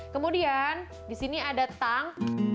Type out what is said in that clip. kemudian di sini ada tang